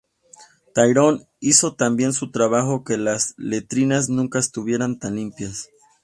Tyrion hizo tan bien su trabajo, que las letrinas nunca estuvieron tan limpias.